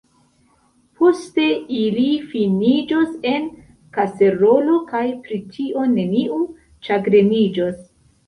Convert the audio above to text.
Poste ili finiĝos en kaserolo, kaj pri tio neniu ĉagreniĝos.